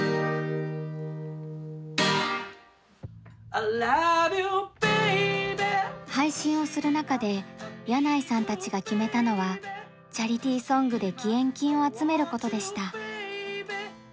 「Ｉｌｏｖｅｙｏｕｂａｂｙ」配信をする中で箭内さんたちが決めたのはチャリティーソングで義援金を集めることでした。